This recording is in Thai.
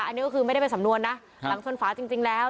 อันนี้ก็คือไม่ได้เป็นสำนวนนะหลังชนฝาจริงแล้ว